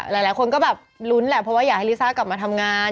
หลายคนก็แบบลุ้นแหละเพราะว่าอยากให้ลิซ่ากลับมาทำงาน